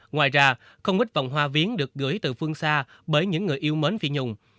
ngoài ra không ít vòng hoa viếng được gửi từ phương xa bởi những người yêu mến phi nhung